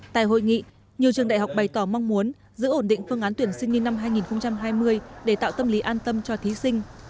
tại hội nghị nhiều trường đại học bày tỏ mong muốn giữ ổn định phương án tuyển sinh như năm hai nghìn hai mươi để tạo tâm lý an tâm cho thí sinh